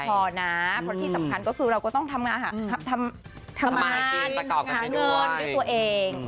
เพราะที่สำคัญก็คือเราก็ต้องทำงานหาเงินด้วยตัวเอง